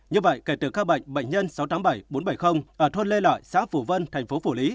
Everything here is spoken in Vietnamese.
như vậy kể từ ca bệnh bệnh nhân sáu trăm tám mươi bảy bốn trăm bảy mươi ở thôn lê lợi xã phủ vân thành phố phủ lý